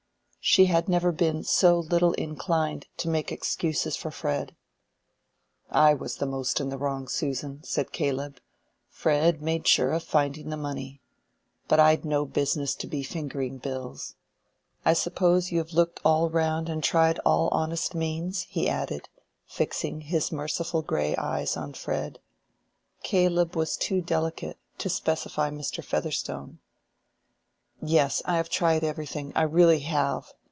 She had never been so little inclined to make excuses for Fred. "I was the most in the wrong, Susan," said Caleb. "Fred made sure of finding the money. But I'd no business to be fingering bills. I suppose you have looked all round and tried all honest means?" he added, fixing his merciful gray eyes on Fred. Caleb was too delicate to specify Mr. Featherstone. "Yes, I have tried everything—I really have.